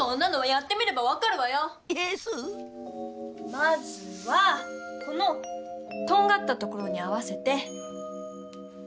まずはこのとんがったところに合わせて。